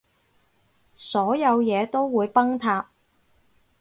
所有嘢都會崩塌